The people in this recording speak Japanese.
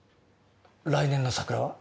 来年の桜は？